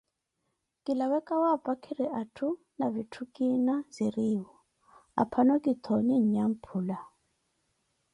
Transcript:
Kilawe kawaapakire atthu, na vitthu kiina ziriiwo, aphano kithoonye nyamphula.